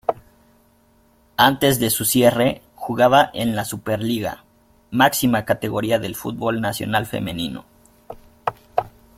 Antes de su cierre, jugaba en la Superliga, máxima categoría del fútbol nacional femenino.